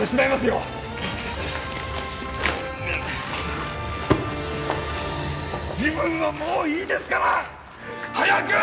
うっ自分はもういいですから！早く！